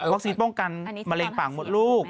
วัคซีนป้องกันมะเร็งปากหมดลูก